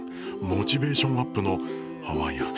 モチベーションアップのハワイアン。